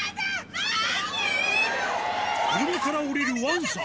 車から降りるワンさん